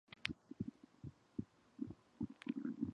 It is native to the tropical forests of southeastern Asia.